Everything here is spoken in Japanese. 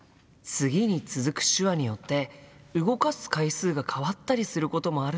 次に続く手話によって動かす回数が変わったりすることもあるんだ。